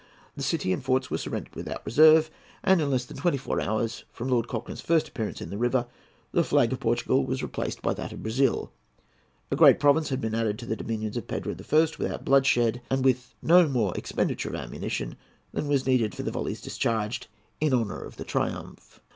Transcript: The city and forts were surrendered without reserve, and in less than twenty four hours from Lord Cochrane's first appearance in the river the flag of Portugal was replaced by that of Brazil. A great province had been added to the dominions of Pedro I. without bloodshed, and with no more expenditure of ammunition than was needed for the volleys discharged in honour of the triumph.